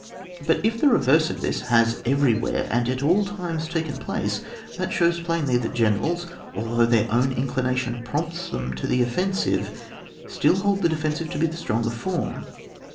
But if the reverse of this has everywhere and at all times taken place that shows plainly that generals, although their own incli nation prompts them to the offensive, still hold the defensive to be the stronger form.